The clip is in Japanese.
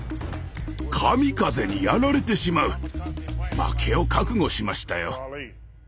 負けを覚悟しましたよ。